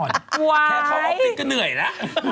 แค่เขาออฟติกก็เหนื่อยละ